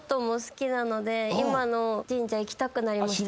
今の神社行きたくなりました。